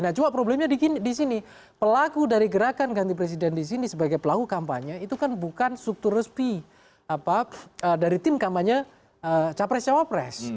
nah cuma problemnya di sini pelaku dari gerakan ganti presiden di sini sebagai pelaku kampanye itu kan bukan struktur resmi dari tim kampanye capres cawapres